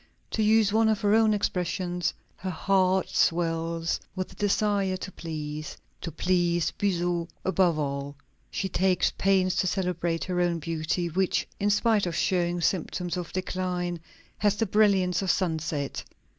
To use one of her own expressions, "her heart swells with the desire to please," to please Buzot above all; she takes pains to celebrate her own beauty, which, in spite of showing symptoms of decline, has the brilliance of sunset.